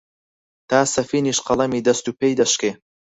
تا سەفینیش قەڵەمی دەست و پێی دەشکێ،